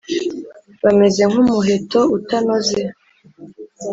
bameze nk’umuheto utanoze.